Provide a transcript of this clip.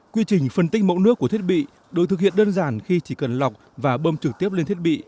quy trình phân tích mẫu nước của thiết bị được thực hiện đơn giản khi chỉ cần lọc và bơm trực tiếp lên thiết bị